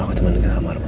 aku teman kita ke kamar ma